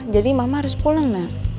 jadi mama harus pulang nak